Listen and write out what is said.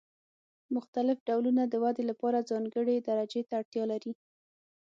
مختلف ډولونه د ودې لپاره ځانګړې درجې ته اړتیا لري.